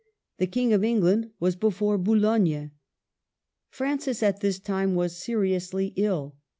The King of England was before Boulogne. Francis, at this time, was seriously ill.